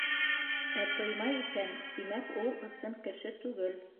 Ә тоймай икән, тимәк, ул ысын кеше түгел.